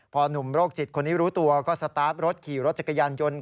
พอหนุ่มโรคจิตคนนี้รู้ตัวก็สตาร์ฟรถขี่รถจักรยานยนต์